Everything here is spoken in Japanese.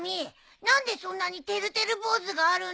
何でそんなにてるてる坊主があるんだブー？